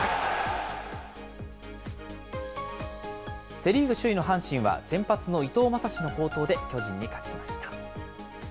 セ・リーグ首位の阪神は、先発の伊藤将司の好投で巨人に勝ちました。